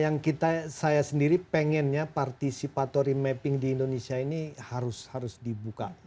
dan saya sendiri pengennya participatory mapping di indonesia ini harus dibuka